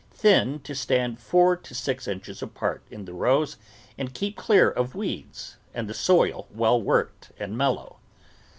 Thin to stand four to six inches apart in the rows and keep clear of weeds and the soil well worked and mellow.